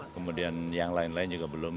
kemudian yang lain lain juga belum